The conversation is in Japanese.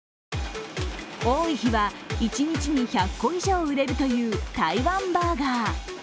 多い日は一日に１００個以上売れるという台湾バーガー。